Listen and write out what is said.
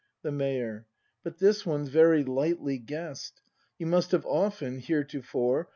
The Mayor. But this one's very lightly guess'd. You must have often, heretofore.